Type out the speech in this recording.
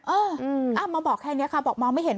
เออมาบอกแค่นี้ค่ะบอกมองไม่เห็น